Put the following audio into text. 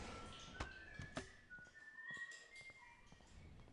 Zdá se ale, že k němu nikdy nedorazíme.